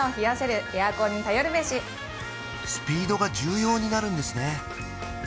スピードが重要になるんですね